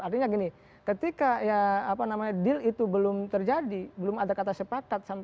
artinya gini ketika ya apa namanya deal itu belum terjadi belum ada kata sepakat